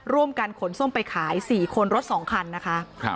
ร่วมกันขนส้มไปขาย๔คนรถ๒คันนะคะ